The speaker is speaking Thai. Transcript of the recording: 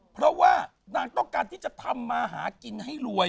เพราะว่านางต้องการที่จะทำมาหากินให้รวย